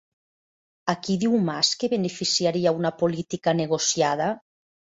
A qui diu Mas que beneficiaria una política negociada?